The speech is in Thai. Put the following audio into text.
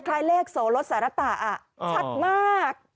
คล้ายเลขโสลดสารตะชัดมาก